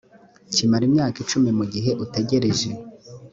kimara imyaka icumi mu gihe utegereje